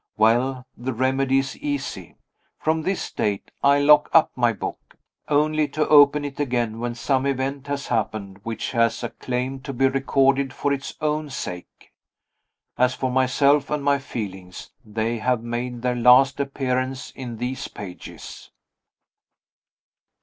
Well, the remedy is easy. From this date, I lock up my book only to open it again when some event has happened which has a claim to be recorded for its own sake. As for myself and my feelings, they have made their last appearance in these pages.